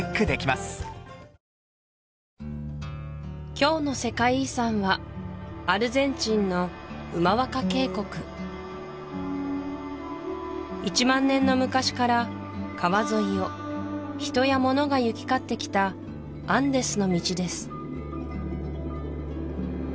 今日の世界遺産はアルゼンチンのウマワカ渓谷１万年の昔から川沿いを人やモノが行き交ってきたアンデスの道です